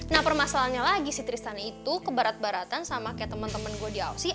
nah permasalahannya lagi si tristan itu keberatan baratan sama kayak temen temen gue di ausi